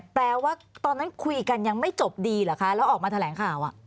แปลว่าตอนนั้นคุยกันยังไม่จบดีเหรอคะแล้วออกมาแถลงข่าว